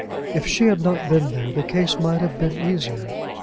If she had not been there, the case might have been easier.